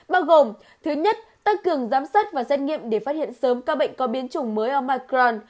bao gồm thứ nhất tăng cường giám sát và xét nghiệm để phát hiện sớm ca bệnh có biến chủng mới ở micron